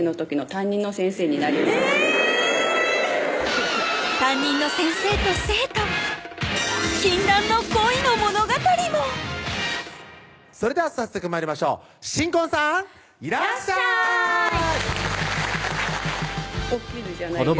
担任の先生と生徒禁断の恋の物語もそれでは早速参りましょう新婚さんいらっしゃい